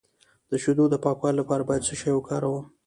د شیدو د پاکوالي لپاره باید څه شی وکاروم؟